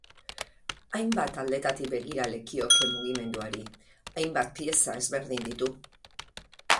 Hainbat aldetatik begira lekioke mugimenduari, hainbat pieza ezberdin ditu.